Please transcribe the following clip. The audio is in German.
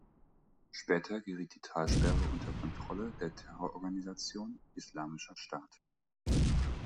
Später geriet die Talsperre unter Kontrolle der Terrororganisation „Islamischer Staat“.